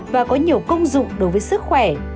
và có nhiều công dụng đối với sức khỏe